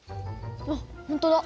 あっ本当だ。